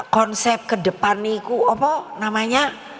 konsep kedepaniku apa namanya